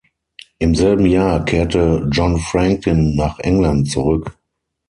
Im selben Jahr kehrte John Franklin nach England zurück.